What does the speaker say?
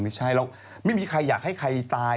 พี่ชอบแซงไหลทางอะเนาะ